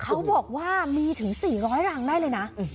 เขาบอกว่ามีถึง๔๐๐รังได้เลยนะ